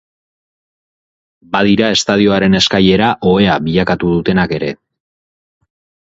Badira estadioaren eskailera ohea bilakatu dutenak ere.